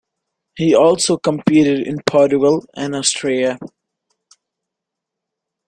He also competed in Portugal and Austria.